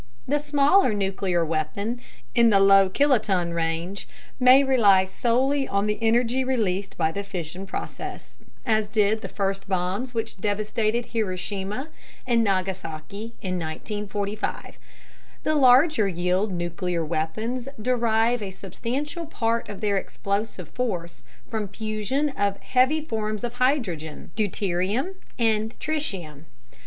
The smaller nuclear weapon, in the low kiloton range, may rely solely on the energy released by the fission process, as did the first bombs which devastated Hiroshima and Nagasaki in 1945. The larger yield nuclear weapons derive a substantial part of their explosive force from the fusion of heavy forms of hydrogen deuterium and tritium.